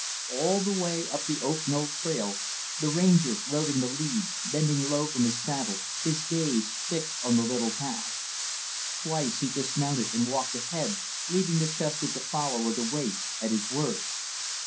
All the way up the Oak Knoll trail the Ranger rode in the lead, bending low from his saddle, his gaze fixed on the little path. Twice he dismounted and walked ahead, leaving the chestnut to follow or to wait, at his word.